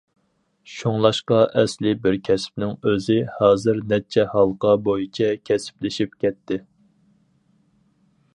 شۇڭلاشقا ئەسلىي بىر كەسىپنىڭ ئۆزى ھازىر نەچچە ھالقا بويىچە كەسىپلىشىپ كەتتى.